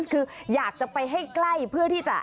คืออยากจะไปให้ใกล้เพื่อที่จะ